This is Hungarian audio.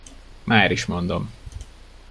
Máris mondom.